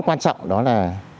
quan trọng đó là